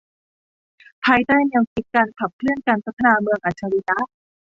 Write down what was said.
ภายใต้แนวคิดการขับเคลื่อนการพัฒนาเมืองอัจฉริยะ